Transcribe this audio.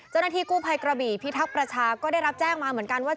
เจ้าหน้าที่กู้ภัยกระบี่พิทักษ์ประชาก็ได้รับแจ้งมาเหมือนกันว่า